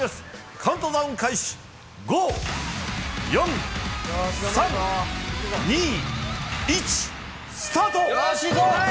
カウントダウン開始、５、４、３、２、１、スタート。